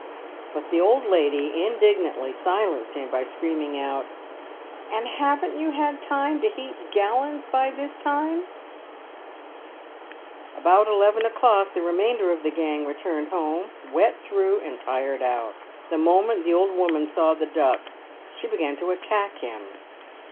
But the old lady indignantly silenced him, 96 PAVED WITH GOLD. by screaming out, "And haven't you had time to heat gallins by this time ?" About eleven o'clock the remainder of the gang returned home, wet through, and tired out. The moment the old woman saw the Duck she began to attack him.